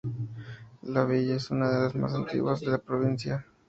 La villa es una de las más antiguas de la Provincia.